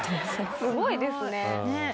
すごいですね。